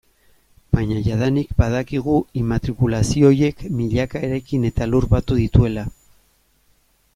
Baina jadanik badakigu immatrikulazio horiek milaka eraikin eta lur batu dituela.